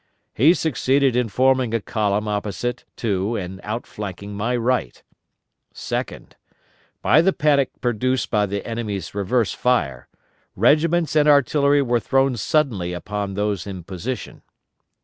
"He succeeded in forming a column opposite to and outflanking my right. "Second. By the panic produced by the enemy's reverse fire, regiments and artillery were thrown suddenly upon those in position.